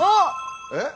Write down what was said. えっ？